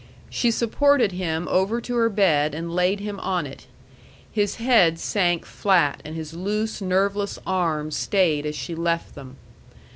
She supported him over to her bed and laid him on it. His head sank flat, and his loose, nerveless arms stayed as she left them.